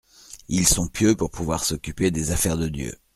Ils sont pieux pour pouvoir s’occuper des affaires de Dieu.